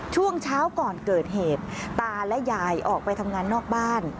ช่วงเช้าก่อนเกิดเหตุตาและยายออกไปทำงานนอกบ้าน